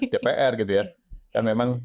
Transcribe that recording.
dari dpr gitu ya